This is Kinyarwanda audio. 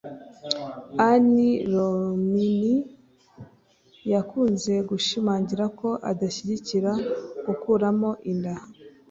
Ann Romney yakunze gushimangira ko adashyigikiye gukuramo inda